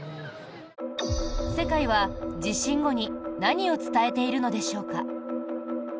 世界は地震後に何を伝えているのでしょうか。